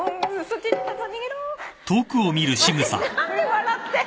何で笑って。